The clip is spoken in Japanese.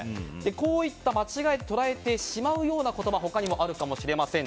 こういった間違えて捉えてしまうような言葉他にもあるかもしれません。